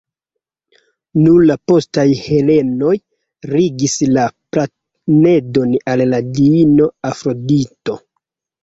Nur la postaj helenoj ligis la planedon al la diino Afrodito.